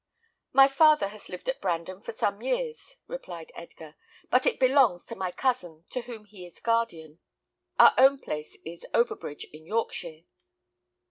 "My father has lived at Brandon for some years," replied Edgar; "but it belongs to my cousin, to whom he is guardian. Our own place is Overbridge, in Yorkshire."